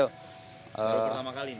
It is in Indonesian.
baru pertama kali